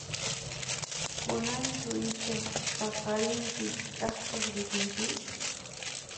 Kunanchu icha paqarinchu chakchuq risunchis?